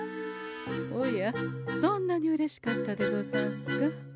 おやそんなにうれしかったでござんすか？